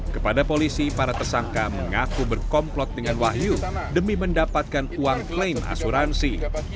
kepada polisi para tersangka mengaku berkomplot dengan wahyu demi mendapatkan uang klaim asuransi